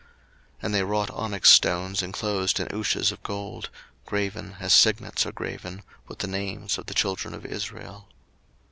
02:039:006 And they wrought onyx stones inclosed in ouches of gold, graven, as signets are graven, with the names of the children of Israel.